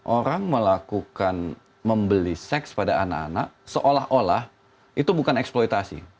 orang melakukan membeli seks pada anak anak seolah olah itu bukan eksploitasi